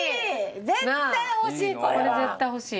これ絶対欲しい。